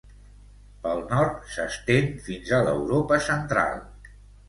Pel nord s'estén fins a l'Europa Central.